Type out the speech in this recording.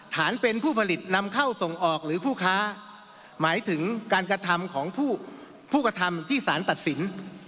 ฐานเป็นผู้ผลิตนำเข้าส่งออกหรือผู้ค้าหมายถึงการกระทำของผู้กระทำที่สารตัดสิน